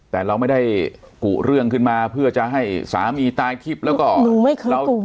แต่เราไม่ได้กุเรื่องขึ้นมาเพื่อจะให้สามีตายทิพย์แล้วก็